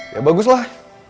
ya bagus lah